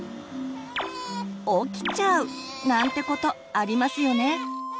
起きちゃう！なんてことありますよね。